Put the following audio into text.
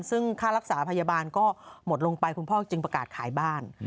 ซึ่งค่ารักษาพยาบาลก็หมดลงไปคุณพ่อจึงประกาศขายบ้าน